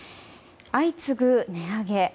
相次ぐ値上げ。